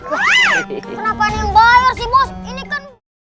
wah kenapa ini yang bayar sih bos ini kan